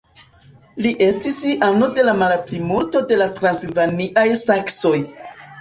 Li estis ano de la malplimulto de la transilvaniaj saksoj.